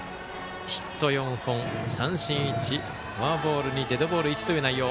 ヒット４本、三振１フォアボール２デッドボール１という内容。